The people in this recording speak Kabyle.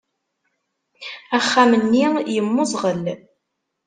Axxam-nni yemmuẓɣel.